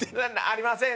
「ありません」